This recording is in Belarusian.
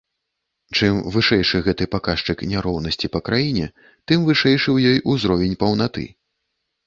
Чым вышэйшы гэты паказчык няроўнасці па краіне, тым вышэйшы ў ёй ўзровень паўнаты.